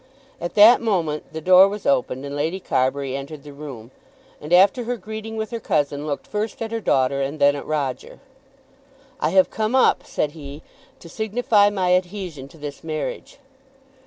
At that moment the door was opened and Lady Carbury entered the room, and, after her greeting with her cousin, looked first at her daughter and then at Roger. "I have come up," said he, "to signify my adhesion to this marriage."